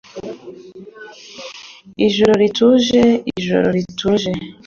Ijoro rituje, Ijoro rituje